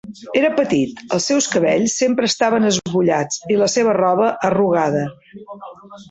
Era petit, els seus cabells sempre estaven esbullats i la seva roba arrugada.